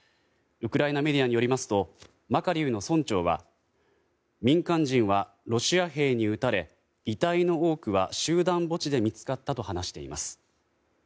ウクライナメディアによりますとマカリウの村長は民間人はロシア兵に撃たれ遺体の多くは集団墓地で見つかったと話しています。